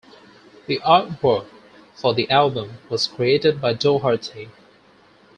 The artwork for the album was created by Doherty.